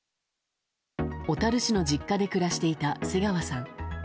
小樽市の実家で暮らしていた瀬川さん。